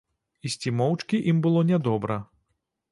Ісці моўчкі ім было нядобра.